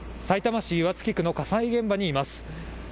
さいたま市岩槻区の火災現場にいます。